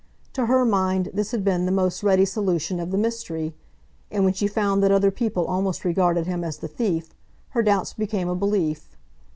To her mind this had been the most ready solution of the mystery, and when she found that other people almost regarded him as the thief, her doubts became a belief.